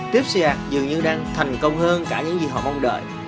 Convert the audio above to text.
tipsy art dường như đang thành công hơn cả những gì họ mong đợi